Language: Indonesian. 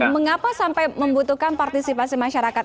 mengapa sampai membutuhkan partisipasi masyarakat